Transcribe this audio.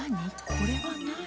これは何？